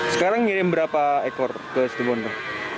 sekarang ngirim berapa ekor ke situbondo